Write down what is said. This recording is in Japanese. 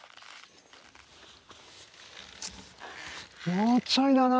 もうちょいだな。